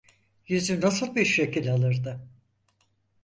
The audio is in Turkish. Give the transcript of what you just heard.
Yüzü nasıl bir şekil alırdı?